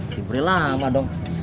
liburnya lama dong